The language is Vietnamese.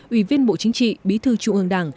ủy viên bộ chính trị bí thư trung ương đảng